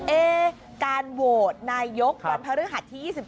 เอ๊การโหวตนายกวันพระฤทธิ์ที่๒๗